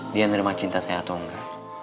dia nerima cinta saya atau enggak